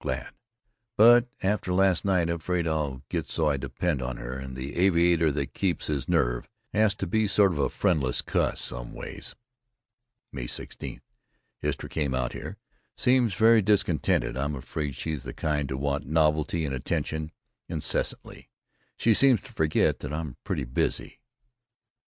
Glad. But after last night afraid I'll get so I depend on her, and the aviator that keeps his nerve has to be sort of a friendless cuss some ways. May 16: Istra came out here. Seems very discontented. I'm afraid she's the kind to want novelty and attention incessantly, she seems to forget that I'm pretty busy.